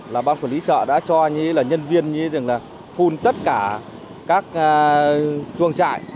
là băng quần lý chợ đã cho như là nhân viên như là phun tất cả các chuồng trại